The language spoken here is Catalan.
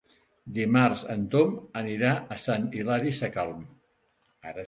Dimarts en Tom anirà a Sant Hilari Sacalm.